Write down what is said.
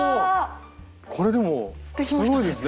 これでもすごいですね。